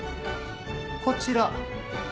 こちら。